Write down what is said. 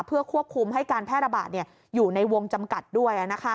เพื่อควบคุมให้การแพร่ระบาดอยู่ในวงจำกัดด้วย